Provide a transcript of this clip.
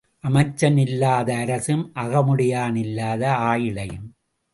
அமைச்சன் இல்லாத அரசும் அகமுடையான் இல்லாத ஆயிழையும்.